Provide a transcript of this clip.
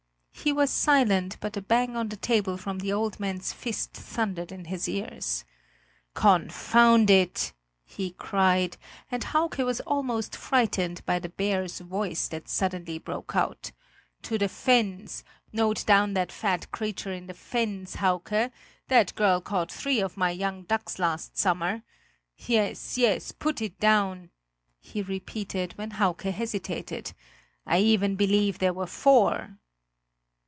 He was silent, but a bang on the table from the old man's fist thundered in his ears. "Confound it!" he cried, and Hauke was almost frightened by the bear's voice that suddenly broke out: "to the fens! Note down that fat creature in the fens, Hauke! That girl caught three of my young ducks last summer! Yes, yes, put it down," he repeated, when Hauke hesitated; "I even believe there were four!"